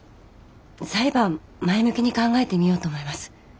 裁判前向きに考えてみようと思います。